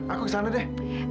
aku kesana deh